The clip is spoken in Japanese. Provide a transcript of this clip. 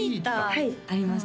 はいあります